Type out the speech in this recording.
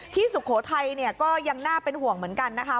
สุโขทัยก็ยังน่าเป็นห่วงเหมือนกันนะคะ